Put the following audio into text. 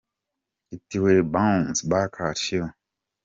It will bounce back at you.